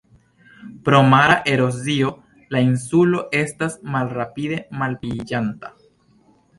Pro mara erozio, la insulo estas malrapide malpliiĝanta.